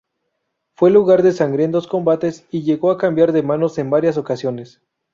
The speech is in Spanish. Fue lugar de sangrientos combates y llegó a cambiar de manos en varias ocasiones.